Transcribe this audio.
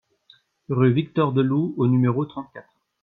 Rue Victor Delloue au numéro trente-quatre